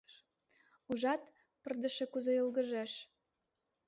Ужат, пырдыжше кузе йылгыжеш!